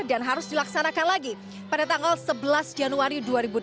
dan harus dilaksanakan lagi pada tanggal sebelas januari dua ribu delapan belas